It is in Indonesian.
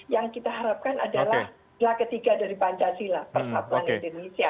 yang kita harapkan adalah ketiga dari pancasila persatuan indonesia